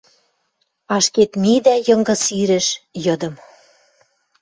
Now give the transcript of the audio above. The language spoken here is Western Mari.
Ашкед мидӓ Йынгы сирӹш йыдым —